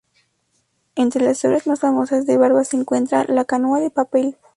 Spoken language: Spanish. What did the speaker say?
Entre las obras más famosas de Barba se encuentra "La Canoa de Papel.